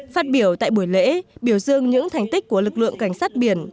phát biểu tại buổi lễ biểu dương những thành tích của lực lượng cảnh sát biển